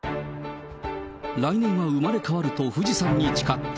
来年は生まれ変わると富士山に誓った。